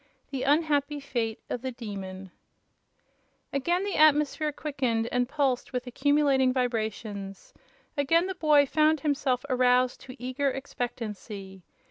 The Unhappy Fate of the Demon Again the atmosphere quickened and pulsed with accumulating vibrations. Again the boy found himself aroused to eager expectancy.